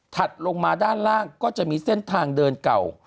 ลงมาด้านล่างก็จะมีเส้นทางเดินเก่า